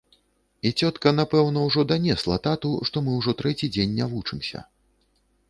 І цётка, напэўна, ужо данесла тату, што мы ўжо трэці дзень не вучымся.